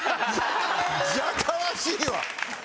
「じゃかあしいわ！」。